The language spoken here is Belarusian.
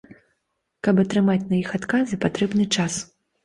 Каб атрымаць на іх адказы, патрэбны час.